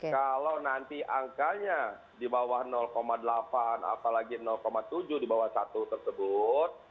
kalau nanti angkanya di bawah delapan apalagi tujuh di bawah satu tersebut